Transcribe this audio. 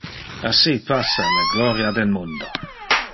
Assi passa le gloria del mundo.